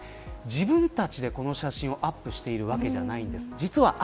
自分たちでこの写真をアップしているわけではないんです。